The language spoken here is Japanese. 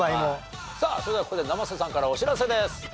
さあそれではここで生瀬さんからお知らせです。